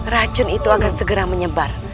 racun itu akan segera menyebar